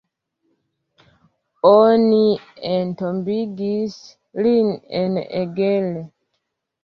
Oni entombigis lin en Eger.